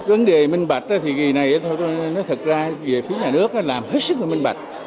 vấn đề minh bạch thì kỳ này nó thật ra về phía nhà nước làm hết sức là minh bạch